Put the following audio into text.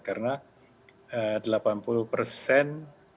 karena delapan puluh persen